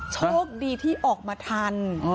โชคดีที่ออกมาทัน